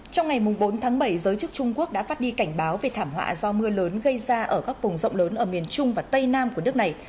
trong ngày bốn tháng bảy giới chức trung quốc đã phát đi cảnh báo về thảm họa do mưa lớn gây ra ở các vùng rộng lớn ở miền trung và tây nam của nước này